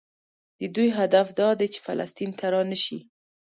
د دوی هدف دا دی چې فلسطین ته رانشي.